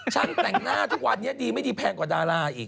แต่งหน้าทุกวันนี้ดีไม่ดีแพงกว่าดาราอีก